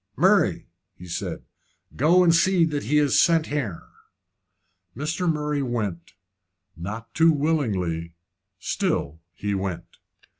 "Murray," he said, "go and see that he is sent here." Mr. Murray went, not too willingly still he went.